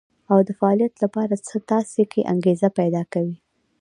او د فعاليت لپاره څه تاسې کې انګېزه پيدا کوي.